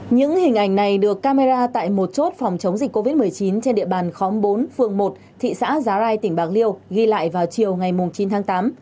những hình ảnh này được camera tại một chốt phòng chống dịch covid một mươi chín trên địa bàn khóm bốn phường một thị xã giá rai tỉnh bạc liêu ghi lại vào chiều ngày chín tháng tám